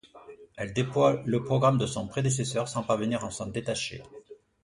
Elle déploie le programme de son prédécesseur sans parvenir à s'en détacher.